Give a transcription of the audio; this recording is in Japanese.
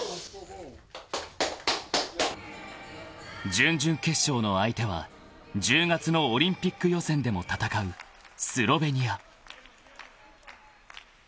［準々決勝の相手は１０月のオリンピック予選でも戦うスロベニア］